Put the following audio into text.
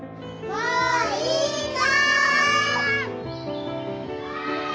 ・もういいよ！